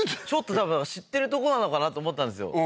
多分知ってるとこなのかなと思ったんですよ